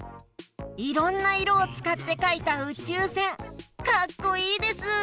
いろんないろをつかってかいたうちゅうせんかっこいいです！